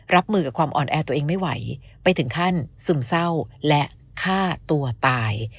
รับมือกับความอ่อนแอตัวเองไม่ไหวไปถึงขั้นซึมเศร้าและฆ่าตัวตาย